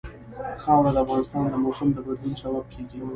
خاوره د افغانستان د موسم د بدلون سبب کېږي.